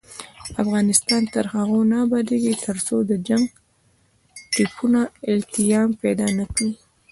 افغانستان تر هغو نه ابادیږي، ترڅو د جنګ ټپونه التیام پیدا نکړي.